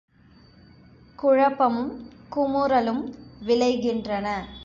குழப்பமும் குமுறலும் விளைகின்றன.